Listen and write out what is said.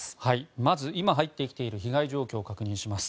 まず、今入ってきている被害状況を確認します。